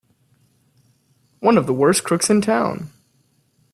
One of the worst crooks in town!